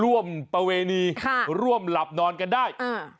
ประเวณีร่วมหลับนอนกันได้